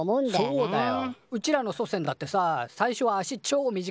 そうだよ。